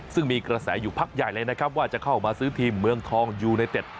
ซึ่งมีกระแสอยู่พักใหญ่เลยนะครับว่าจะเข้ามาซื้อทีมเมืองทองยูไนเต็ด